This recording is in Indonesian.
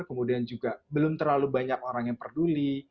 kemudian juga belum terlalu banyak orang yang peduli